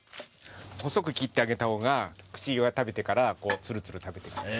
細く切ってあげた方が食べてからつるつる食べてくれる。